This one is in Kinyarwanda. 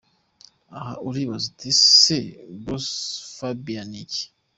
Aha uribaza uti ese Glossophobia ni iki?.